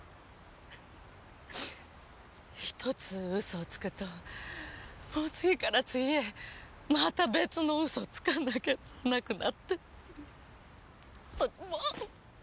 １つ嘘をつくともう次から次へまた別の嘘をつかなきゃならなくなって。もうっ！